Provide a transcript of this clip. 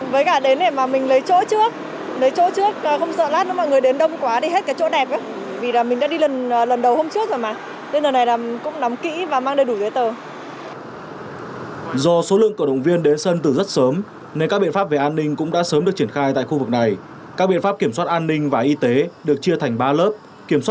với cả đến để mà mình lấy chỗ trước lấy chỗ trước không sợ lát nữa mọi người đến đông quá